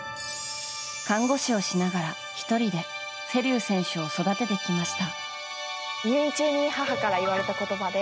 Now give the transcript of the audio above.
看護師をしながら１人で瀬立選手を育ててきました。